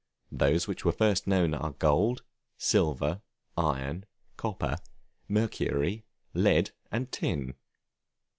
Those which were first known are gold, silver, iron, copper, mercury, lead, and tin.